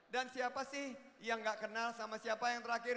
dan siapa sih yang gak kenal sama siapa yang terakhir